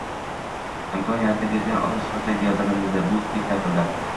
Imkon yaratib bergan odam sifatida gavdalanadi bu spektaklda.